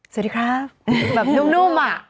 สวัสดีครับแบบนุ่มอ่ะ